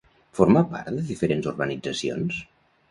Forma part de diferents organitzacions?